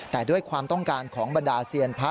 แต่ด้วยความต้องการของบรรดาเซียนพระ